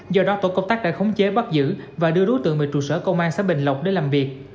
do đó tổ công tác đã khống chế bắt giữ và đưa đối tượng về trụ sở công an xã bình lộc để làm việc